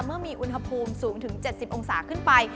เมื่อมีอุณหภูมิสูงถึง๗๐องศาขึ้นไป